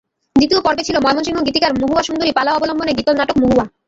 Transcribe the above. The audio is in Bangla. দ্বিতীয় পর্বে ছিল ময়মনসিংহ গীতিকার মহুয়া সুন্দরী পালা অবলম্বনে গীতল নাটক মহুয়া।